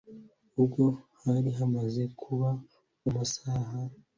ubwo hari hamaze kubamumasaha